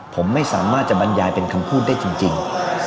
ผมไม่สามารถจะบรรยายเป็นคำพูดได้จริง